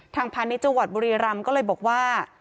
พาณิชย์จังหวัดบุรีรำก็เลยบอกว่า